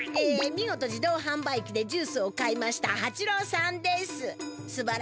え見事自動販売機でジュースを買いましたハチローさんです。